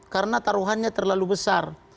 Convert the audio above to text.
karena taruhannya terlalu besar